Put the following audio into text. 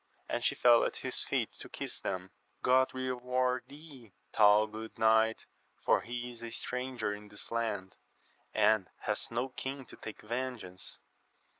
And she fell at his feet to loss them. God reward thee, thou good knight, for he is a stranger in this land, and hath no kin to take vengeance.